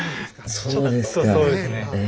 そうですね。